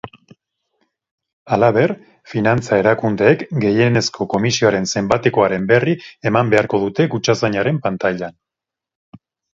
Halaber, finantza erakundeek gehienezko komisioaren zenbatekoaren berri eman beharko dute kutxazainaren pantailan.